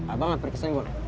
abang hampir kesenggol